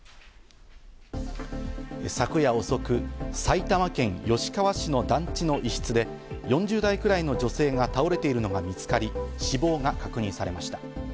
昨夜遅く、埼玉県吉川市の団地の一室で４０代くらいの女性が倒れているのが見つかり、死亡が確認されました。